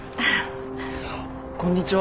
こんにちは。